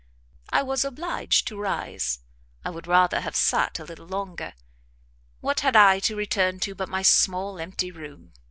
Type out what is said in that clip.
I was obliged to rise. I would rather have sat a little longer; what had I to return to but my small empty room?